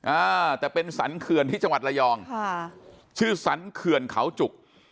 อ่าแต่เป็นสรรเขื่อนที่จังหวัดระยองค่ะชื่อสรรเขื่อนเขาจุก